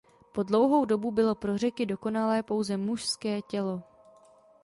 Po dlouhou dobu bylo pro Řeky dokonalé pouze mužské tělo.